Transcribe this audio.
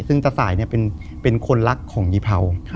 ซึ่งตาสายเป็นคนรักของยีเผา